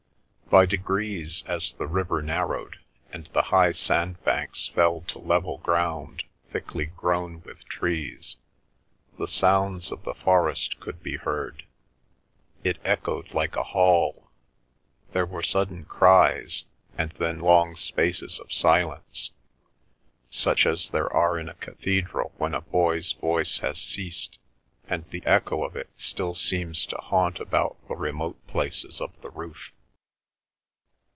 By degrees as the river narrowed, and the high sandbanks fell to level ground thickly grown with trees, the sounds of the forest could be heard. It echoed like a hall. There were sudden cries; and then long spaces of silence, such as there are in a cathedral when a boy's voice has ceased and the echo of it still seems to haunt about the remote places of the roof.